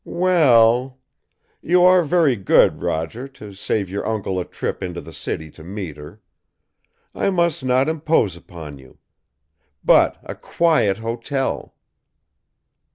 "Well ! You are very good, Roger, to save your uncle a trip into the city to meet her. I must not impose upon you. But, a quiet hotel!"